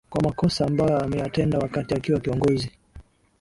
kwa makosa ambayo ameyatenda wakati akiwa kiongozi